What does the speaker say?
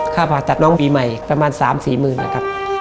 ค่าผ่าตัดน้องปีใหม่ประมาณ๓๔หมื่นนะครับ